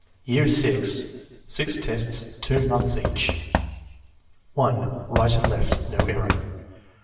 Year VI. (6 tests, 2 months each.) 1. Right and left. (No error.)